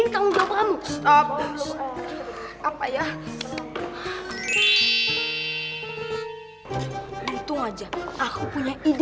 kalau kamu tuh emang udah kalah